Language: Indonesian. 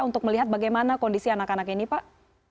untuk melihat bagaimana kondisi anak anak ini pak